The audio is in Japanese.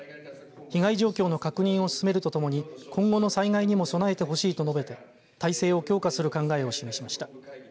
被害状況の確認を進めるとともに今後の災害にも備えてほしいと述べて体制を強化する考えを示しました。